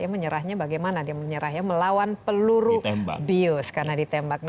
menyerahnya bagaimana melawan peluru bios karena ditembak